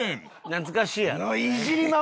懐かしいやろ？